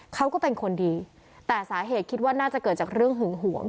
เขาก็เป็นคนดีแต่สาเหตุคิดว่าน่าจะเกิดจากเรื่องหึงหวง